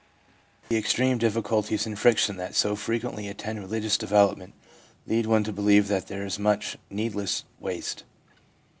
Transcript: The extreme difficulties and friction that so fre quently attend religious development lead one to believe that there is much needless waste.